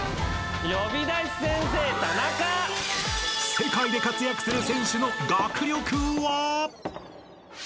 ［世界で活躍する選手の学力は］